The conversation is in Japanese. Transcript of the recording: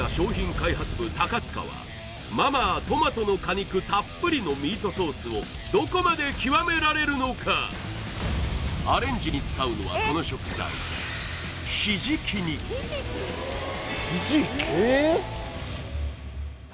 開発部高塚はマ・マートマトの果肉たっぷりのミートソースをどこまで極められるのかアレンジに使うのはこの食材え！？